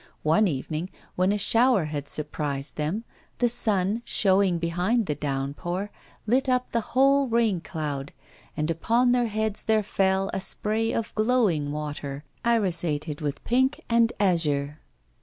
One evening, when a shower had surprised them, the sun, showing behind the downpour, lit up the whole rain cloud, and upon their heads there fell a spray of glowing water, irisated with pink and azure.